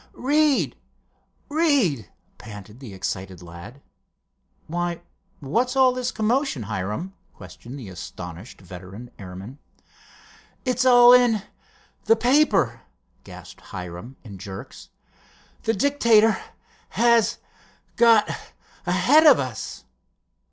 "Read, read!" panted the excited lad. "Why, what's all this commotion, Hiram?" questioned the astonished veteran airman. "It's all in—the paper," gasped Hiram in jerks. "The Dictator—has—got—ahead of us."